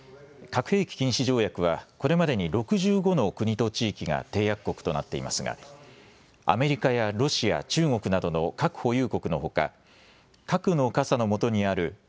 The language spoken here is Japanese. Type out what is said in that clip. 核兵器禁止条約はこれまでに６５の国と地域が締約国となっていますがアメリカやロシア、中国などの核保有国のほか核の傘のもとにあるＮＡＴＯ